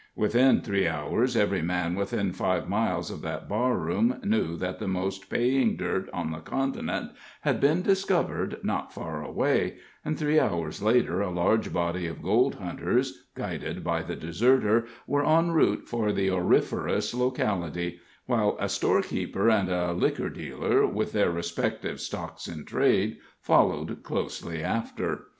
Within three hours every man within five miles of that barroom knew that the most paying dirt on the continent had been discovered not far away, and three hours later a large body of gold hunters, guided by the deserter, were en route for the auriferous locality; while a storekeeper and a liquor dealer, with their respective stocks in trade, followed closely after.